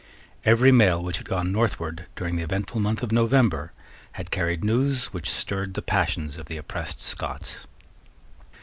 Every mail which had gone northward during the eventful month of November had carried news which stirred the passions of the oppressed Scots.